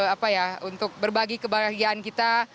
apa ya untuk berbagi kebahagiaan kita